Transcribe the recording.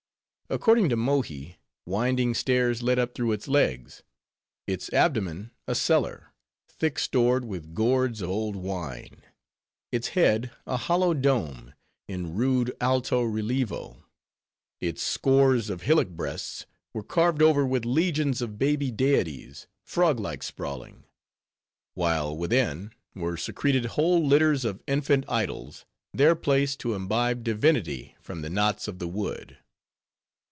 According to Mohi, winding stairs led up through its legs; its abdomen a cellar, thick stored with gourds of old wine; its head, a hollow dome; in rude alto relievo, its scores of hillock breasts were carved over with legions of baby deities, frog like sprawling; while, within, were secreted whole litters of infant idols, there placed, to imbibe divinity from the knots of the wood.